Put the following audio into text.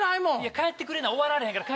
帰ってくれな終わられへんから。